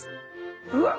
うわっ